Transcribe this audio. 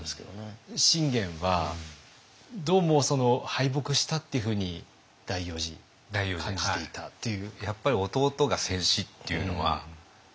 信玄はどうも敗北したっていうふうに第四次感じていたっていう。